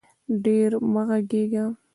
ډېر مه غږېږه